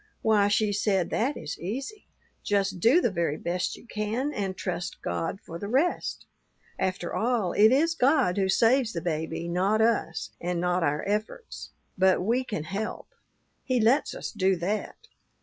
"Why," she said, "that is easy. Just do the very best you can and trust God for the rest. After all, it is God who saves the baby, not us and not our efforts; but we can help. He lets us do that.